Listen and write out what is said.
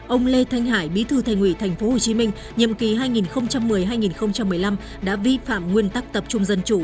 ông lê thanh hải bí thư thành ủy tp hcm nhiệm kỳ hai nghìn một mươi hai nghìn một mươi năm đã vi phạm nguyên tắc tập trung dân chủ